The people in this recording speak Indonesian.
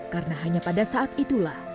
karena hanya pada saat itulah